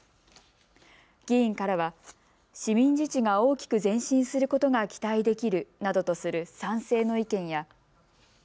議員からは市民自治が大きく前進することが期待できるなどとする賛成の意見や。